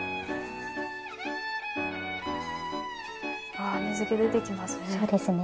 ああ水気出てきますね。